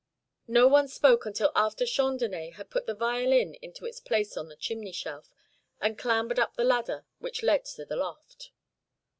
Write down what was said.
No one spoke until after Chandonnais had put the violin in its place on the chimney shelf and clambered up the ladder which led to the loft.